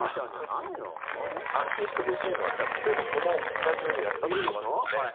安心してほしいのは例えば、このスタジオでやったとしますよね。